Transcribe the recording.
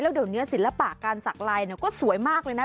เดี๋ยวนี้ศิลปะการสักลายก็สวยมากเลยนะ